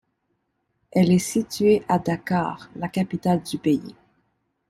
Elle est située à Dakar, la capitale du pays.